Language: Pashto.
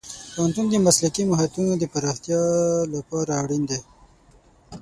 پوهنتون د مسلکي مهارتونو پراختیا لپاره اړین دی.